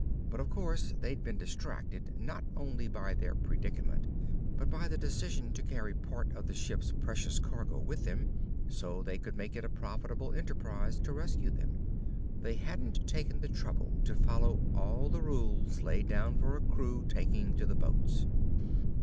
But, of course, they'd been distracted not only by their predicament but by the decision to carry part of the ship's precious cargo with them, so they could make it a profitable enterprise to rescue them. They hadn't taken the trouble to follow all the rules laid down for a crew taking to the boats.